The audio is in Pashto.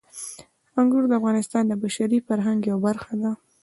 انګور د افغانستان د بشري فرهنګ یوه برخه ده.